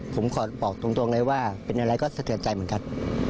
ผมขอบอกตรงเลยว่าเป็นอะไรก็สะเทือนใจเหมือนกัน